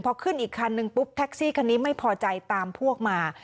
พอขึ้นอีกคันนึงปุ๊บแท็กซี่คันนี้ไม่พอใจตามพวกมา